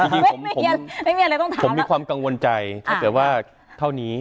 พีที่ผมมีความกังวลใจถ้าเกิดว่าเท่านี้